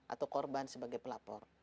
atau korban sebagai pelapor